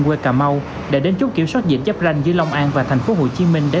quê cà mau đã đến chút kiểm soát dịch chấp ranh dưới long an và thành phố hồ chí minh để